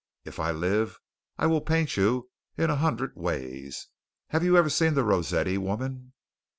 If I live I will paint you in a hundred ways. Have you ever seen the Rossetti woman?"